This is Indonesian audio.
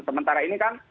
sementara ini kan